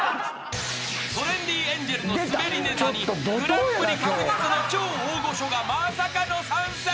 ［トレンディエンジェルのスベリネタにグランプリ確実の超大御所がまさかの参戦］